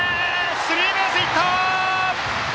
スリーベースヒット！